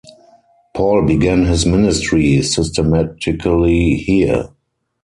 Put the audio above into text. Paul began his ministry systematically here.